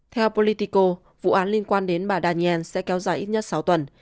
theo politico vụ án liên quan đến bà daniel sẽ kéo dài ít nhất sáu tuần